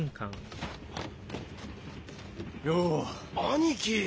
兄貴！